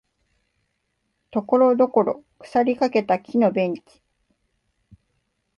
ところどころ腐りかけた木のベンチ